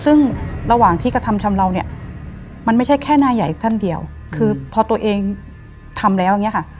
ซึ่งระหว่างที่กระทำชำเลาเนี่ยมันไม่ใช่แค่หน้าใหญ่ท่านเดียวคือพอตัวเองทำแล้วอย่างนี้ค่ะ